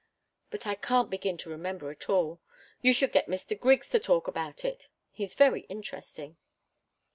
But I can't begin to remember it all. You should get Mr. Griggs to talk about it. He's very interesting."